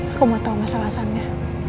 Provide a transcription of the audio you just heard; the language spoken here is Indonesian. aku mau tau mas alasannya